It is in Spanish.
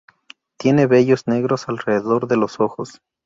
Tiene vellos negros alrededor de los ojos.